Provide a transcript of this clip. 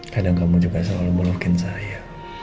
kadang kamu juga selalu molokin saya